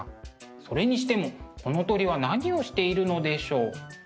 それにしてもこの鳥は何をしているのでしょう。